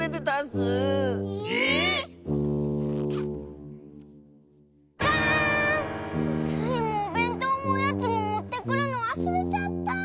スイもおべんとうもおやつももってくるのわすれちゃった。